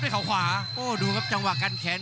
ขวางเอาไว้ครับโอ้ยเด้งเตียวคืนครับฝันด้วยศอกซ้าย